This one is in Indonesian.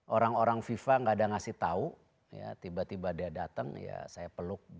orang orang fifa gak ada ngasih tahu ya tiba tiba dia datang ya saya peluk